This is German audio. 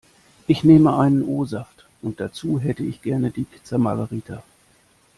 Ich nehme ein O-Saft und dazu hätte ich gerne die Pizza Margarita.